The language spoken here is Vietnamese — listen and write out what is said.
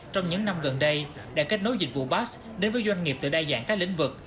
trong những năm gần đây đã kết nối dịch vụ bas đến với doanh nghiệp từ đa dạng các lĩnh vực